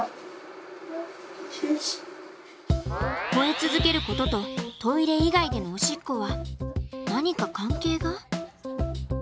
吠え続けることとトイレ以外でのおしっこは何か関係が？